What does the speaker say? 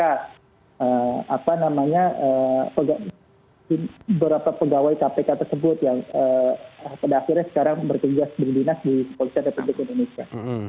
apa namanya beberapa pegawai kpk tersebut yang pada akhirnya sekarang berkegiat berbinas di polisi departemen indonesia